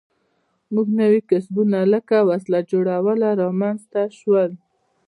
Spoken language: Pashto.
نوي کسبونه لکه وسله جوړونه رامنځته شول.